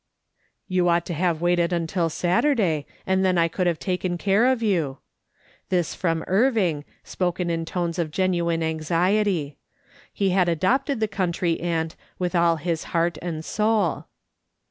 " You ought to have waited until Saturday, and then I could have taken care of you." This from Irving, spoken in tones of genuine anxiety. He had adopted the country aunt, with all his heart and soul.